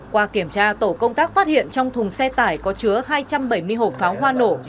qua kiểm tra tổ công tác phát hiện trong thùng xe tải có chứa hai trăm bảy mươi hộp pháo hoa nổ